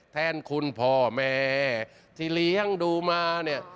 แทนคุณพ่อแม่ที่เลี้ยงดูมาเนี่ย